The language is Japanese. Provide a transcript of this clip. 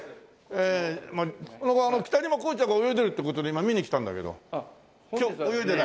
北島康ちゃんが泳いでるっていう事で今見に来たんだけど。今日泳いでない？